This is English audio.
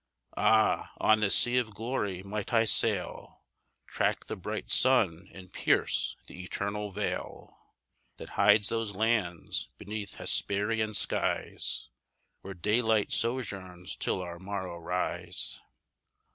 " Ah! on this sea of glory might I sail, Track the bright sun, and pierce the eternal veil That hides those lands, beneath Hesperian skies, Where daylight sojourns till our morrow rise!"